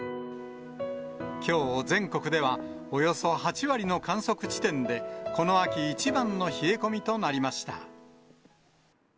きょう全国では、およそ８割の観測地点で、この秋一番の冷え込みとなりました。